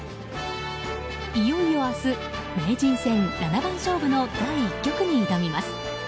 いよいよ明日名人戦七番勝負の第１局に挑みます。